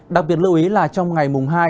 đặc biệt lưu ý là trong ngày mùng hai